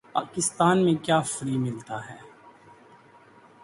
پاکستان میں کیا فری ملتا ہے